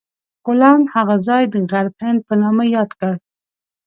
کولمب هغه ځای د غرب هند په نامه یاد کړ.